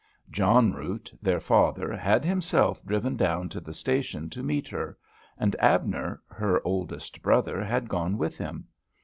John Root, their father, had himself driven down to the station to meet her; and Abner, her oldest brother, had gone with him.